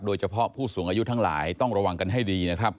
โดยเฉพาะผู้สูงอายุทั้งหลายต้องระวังกันให้ดีนะครับ